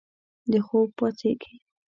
د خوب پاڅیږې